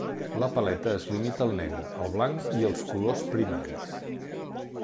La paleta es limita al negre, el blanc i als colors primaris.